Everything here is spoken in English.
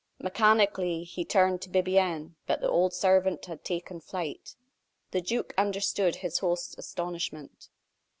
Mechanically, he turned to Bibiaine, but the old servant had taken flight. The duke understood his host's astonishment.